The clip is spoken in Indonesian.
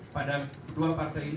pada kedua partai ini berikutnya